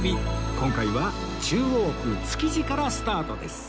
今回は中央区築地からスタートです